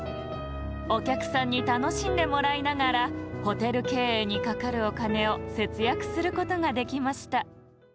おきゃくさんにたのしんでもらいながらホテルけいえいにかかるお金をせつやくすることができました。